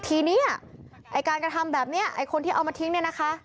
ทีนี้ไอ้การกระทำแบบนี้ไอ้คนที่เอามาทิ้งเนี่ยนะคะ